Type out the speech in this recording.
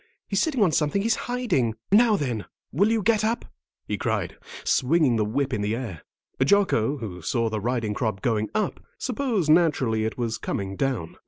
He's sitting on something he's hiding. Now, then, will you get up?" he cried, swinging the whip in the air. Jocko, who saw the riding crop going up, supposed naturally it was coming down.